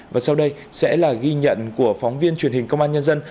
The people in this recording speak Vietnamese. và sau đây sẽ là ghi nhận của phóng viên truyền hình công an nhân dân